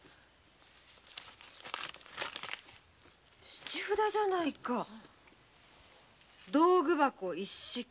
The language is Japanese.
質札じゃないか道具箱一式。